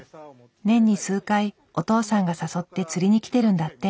年に数回お父さんが誘って釣りに来てるんだって。